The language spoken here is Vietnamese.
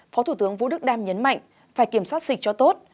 phó thủ tướng vũ đức đam nhấn mạnh phải kiểm soát dịch cho tốt